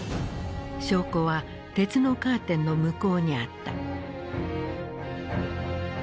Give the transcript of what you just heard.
証拠は鉄のカーテンの向こうにあった。